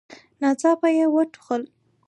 ناڅاپه يې وټوخل.